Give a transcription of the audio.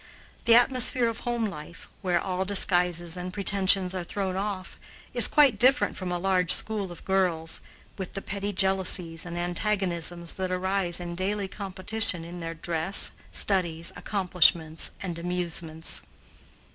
The atmosphere of home life, where all disguises and pretensions are thrown off, is quite different from a large school of girls, with the petty jealousies and antagonisms that arise in daily competition in their dress, studies, accomplishments, and amusements.